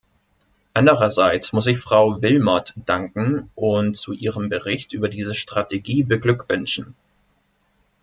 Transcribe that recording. Andererseits muss ich Frau Willmott danken und zu ihrem Bericht über diese Strategie beglückwünschen.